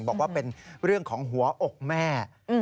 บอกว่าเป็นเรื่องของหัวอกแม่